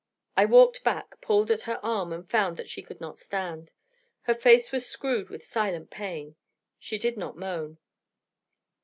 I walked back, pulled at her arm, and found that she could not stand. Her face was screwed with silent pain she did not moan.